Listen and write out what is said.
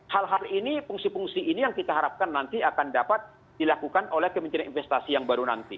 hal hal ini fungsi fungsi ini yang kita harapkan nanti akan dapat dilakukan oleh kementerian investasi yang baru nanti